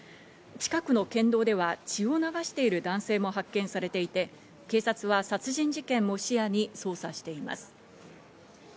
近くの県道では血を流している男性も発見されていて、警察は殺人事件も視野に捜査しています。